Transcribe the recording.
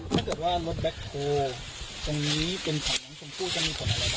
ถ้าเกิดว่ารถแม็กซ์โครตรงนี้เป็นผ่านน้องชมพู่จะมีผลอะไรบ้างครับ